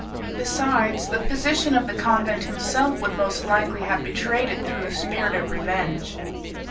Besides, the physician of the convent himself would most likely have betrayed it through a spirit of revenge.